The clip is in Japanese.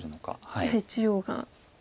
やはり中央が。